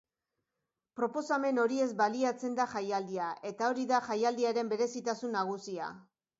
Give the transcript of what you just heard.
Proposamen horiez baliatzen da jaialdia eta hori da jaialdiaren berezitasun nagusia.